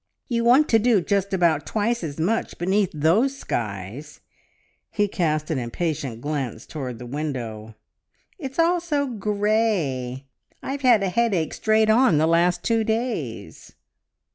You want to do just about twice as much beneath those skies!" He cast an impatient glance towards the window. "It's all so grey! ... I've had a headache straight on the last two days."